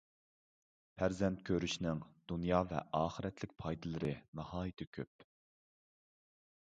پەرزەنت كۆرۈشنىڭ دۇنيا ۋە ئاخىرەتلىك پايدىلىرى ناھايىتى كۆپ.